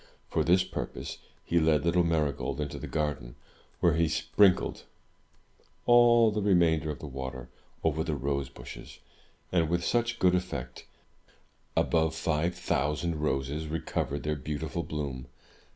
For this purpose he led little Marygold into the garden, where he sprinkled all the 288 THROUGH FAIRY HALLS remainder of the water over the rose bushes, and with such good effect that above five thousand roses recovered their beautiful bloom.